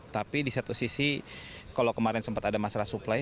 tapi di satu sisi kalau kemarin sempat ada masalah supply